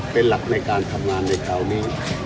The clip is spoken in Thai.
เป็นหลักในการทำงานในคราวนี้